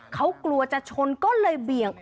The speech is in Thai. เขากลัวจะชนก็เลยเบี่ยง